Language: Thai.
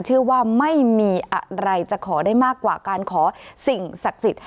เชื่อว่าไม่มีอะไรจะขอได้มากกว่าการขอสิ่งศักดิ์สิทธิ์